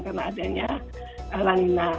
karena adanya el nino